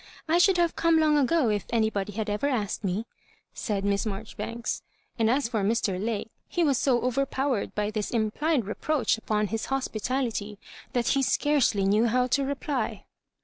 I should have come long ago if any. body had ever asked me," said Miss Marjori banks. And as for Mr. Lake, he was so over powered by this implied reproach upon his hospitality that he scarcely knew how to reply.